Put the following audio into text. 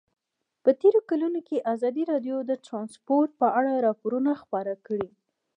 په تېرو کلونو کې ازادي راډیو د ترانسپورټ په اړه راپورونه خپاره کړي دي.